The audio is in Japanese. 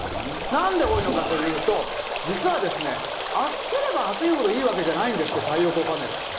なんで多いのかというと、実は、暑ければ暑いほどいいわけじゃないんですって、太陽光パネル。